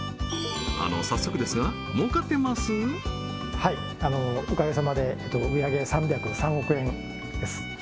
あの早速ですがはいおかげさまで３０３億円！